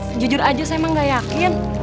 sejujur aja saya emang gak yakin